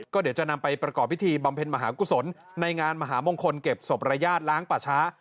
ก็เดี๋ยวจะนำไปประกอบพิธีบำเพ็ญมหากุศลในงานมหามงคลเก็บศพระญาติล้างป่าช้า